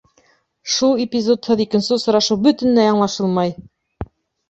Шул эпизодһыҙ икенсе осрашыу бөтөнләй аңлашылмай!